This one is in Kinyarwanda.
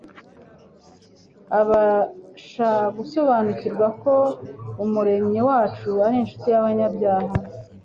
abasha gusobanukirwa ko Umuremyi wacu ari inshuti y'abanyabyaha.